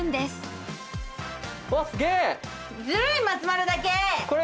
松丸だけ。